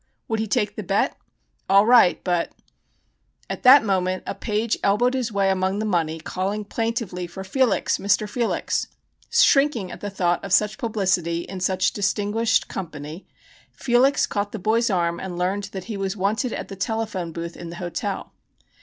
Would he take the bet? All right, but At that moment a page elbowed his way among the money calling plaintively for "Felix! Mr. Felix." Shrinking at the thought of such publicity in such distinguished company, Felix caught the boy's arm and learned that he was wanted at the telephone booth in the hotel.